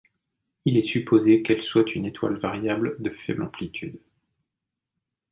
Il est supposé qu'elle soit une étoile variable de faible amplitude.